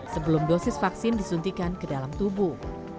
sebelum dosis vaksin disuntikan ke dalam tubuh